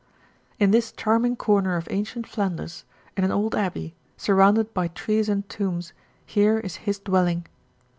In this charming corner of ancient Flanders, in an old abbey, surrounded by trees and tombs, here is his dwelling.